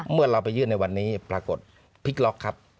เมื่อเราไปยื่นในวันนี้ปรากฏพลิกล็อกครับ